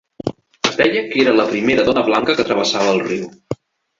Es deia que era la primera dona blanca que travessava el riu.